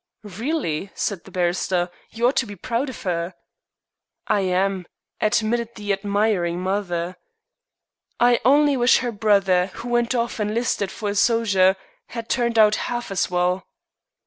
"Really," said the barrister, "you ought to be proud of her." "I am," admitted the admiring mother. "I only wish her brother, who went off and 'listed for a sojer, had turned out half as well."